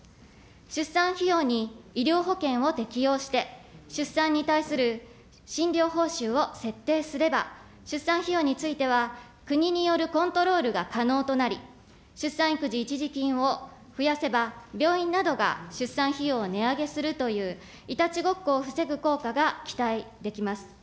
出産費用に医療保険を適用して、出産に対する診療報酬を設定すれば、出産費用については国によるコントロールが可能となり、出産育児一時金を増やせば、病院などが出産費用を値上げするという、いたちごっこを防ぐ効果が期待できます。